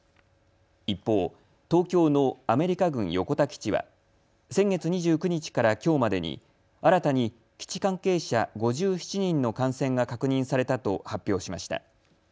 一方、東京のアメリカ軍横田基地は先月２９日からきょうまでに新たに基地関係者５７人の感染が確認されたと発表しました。